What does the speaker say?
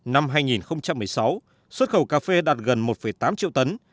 năm hai nghìn một mươi sáu xuất khẩu cà phê đạt gần một tám triệu tấn